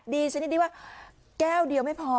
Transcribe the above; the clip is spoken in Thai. ดีขนาดนี้ก็แก้วเดียวไม่พอ